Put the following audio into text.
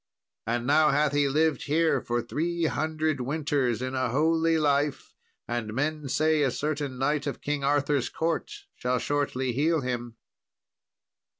And now hath he lived here for three hundred winters in a holy life, and men say a certain knight of King Arthur's court shall shortly heal him."